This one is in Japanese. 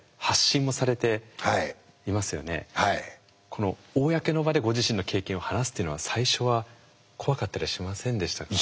この公の場でご自身の経験を話すっていうのは最初は怖かったりはしませんでしたか。